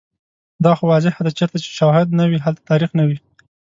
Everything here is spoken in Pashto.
دا خو واضحه ده چیرته چې شوهد نه وي، هلته تاریخ نه وي